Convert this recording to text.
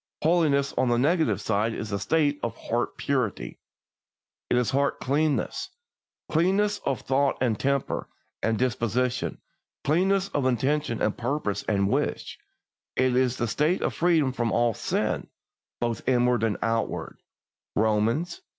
Holiness on its negative side is a state of heart purity; it is heart cleanness cleanness of thought and temper and disposition, cleanness of intention and purpose and wish; it is a state of freedom from all sin, both inward and outward (Romans vi.